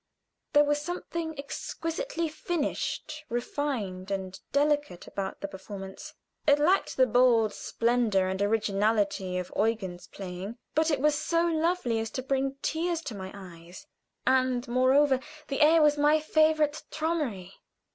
There was something exquisitely finished, refined, and delicate about the performance; it lacked the bold splendor and originality of Eugen's playing, but it was so lovely as to bring tears to my eyes, and, moreover, the air was my favorite "Traumerei."